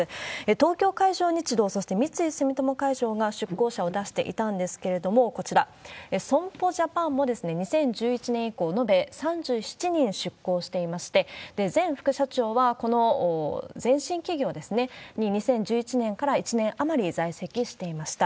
東京海上日動、三井住友海上が出向者を出していたんですけれども、こちら、損保ジャパンも２０１１年以降、延べ３７人出向していまして、前副社長はこの前身企業にですね、２０１１年から１年余り在籍していました。